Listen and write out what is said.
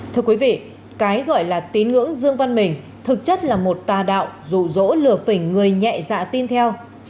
thưa quý vị cái gọi là tín ngưỡng dương văn mình thực chất là một tà đạo rụ rỗ lừa phỉnh người nhẹ dạ tin theo